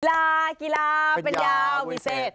ลากีฬาเป็นยาวพิเศษ